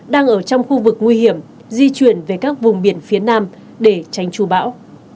đang ở trong khu vực nguy hiểm di chuyển về các vùng biển phía nam để tránh trù bão